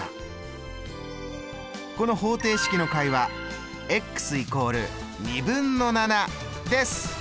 この方程式の解は＝です。